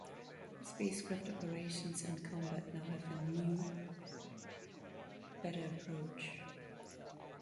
Spacecraft operations and combat now have an new better approach.